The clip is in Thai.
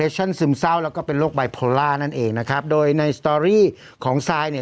ซึมเศร้าแล้วก็เป็นโรคไบโพล่านั่นเองนะครับโดยในสตอรี่ของซายเนี่ย